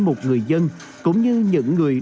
một người dân cũng như những người